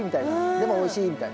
でもおいしいみたいな。